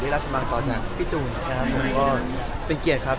ปีหน้าหรอครับผมมันยังบอกไม่ได้